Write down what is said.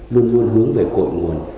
luôn luôn hướng về cội nguồn